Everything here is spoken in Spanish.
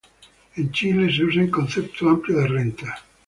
En Chile se usa un concepto amplio de renta.